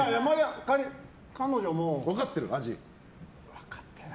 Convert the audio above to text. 分かってる？